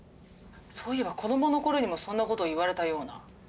そういえば子供の頃にもそんな事を言われたような。